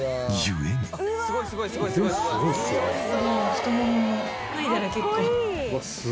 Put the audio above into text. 太ももも脱いだら結構。